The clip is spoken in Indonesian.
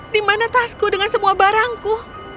di mana tasku dengan semua barangku